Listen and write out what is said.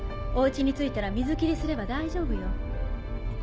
お家に着いたら水切りすれば大丈夫よ。